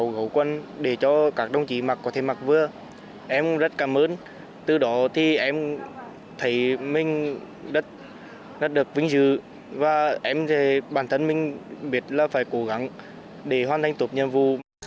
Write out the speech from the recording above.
và em thấy bản thân mình biết là phải cố gắng để hoàn thành tục nhiệm vụ